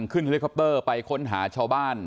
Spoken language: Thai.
ขึ้นเล็กคอปเปอร์ไปค้นหาชาวบ้าน